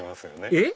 えっ？